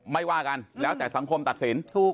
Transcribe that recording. ว่ากันแล้วแต่สังคมตัดสิน